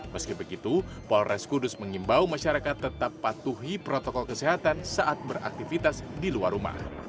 meski begitu polres kudus mengimbau masyarakat tetap patuhi protokol kesehatan saat beraktivitas di luar rumah